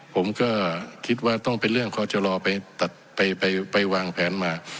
ผมก็คิดว่าต้องเป็นเรื่องเขาจะรอไปวางแผนมา